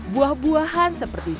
buah buahan seperti ini